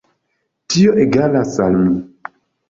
Tio egalas al mi.